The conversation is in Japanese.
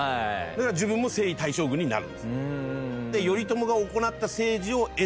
だから自分も征夷大将軍になるんです。